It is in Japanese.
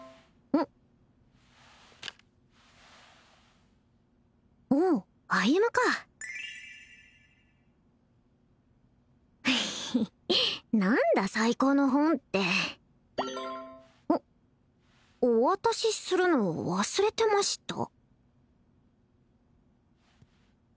おおっ歩か何だ最高の本ってお渡しするのを忘れてました？